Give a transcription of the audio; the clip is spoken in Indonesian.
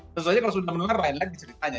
tentu saja kalau sudah mendengar lain lain ceritanya